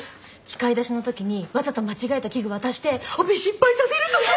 器械出しの時にわざと間違えた器具渡してオペ失敗させるとか。